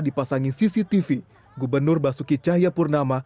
dipasangi cctv gubernur basuki cahayapurnama